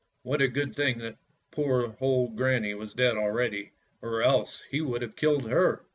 What a good thing that poor old granny was dead already, or else he would have killed her."